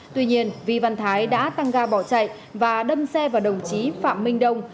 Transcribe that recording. tuy nhiên vi văn thái đã tăng ga bỏ chạy và đâm xe vào đồng chí phạm minh đông